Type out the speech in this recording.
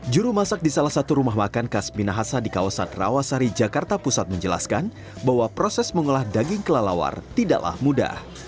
juru masak di salah satu rumah makan khas minahasa di kawasan rawasari jakarta pusat menjelaskan bahwa proses mengolah daging kelelawar tidaklah mudah